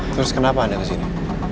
terus kenapa anda ke sini